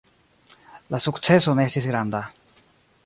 La sukceso ne estis granda.